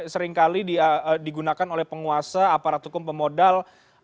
seringkali digunakan oleh penguasa aparat hukum pemodal